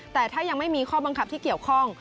แต่ถ้ายังไม่มีข้อบังคับที่เกี่ยวข้อง